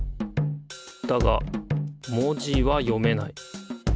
だが文字は読めない。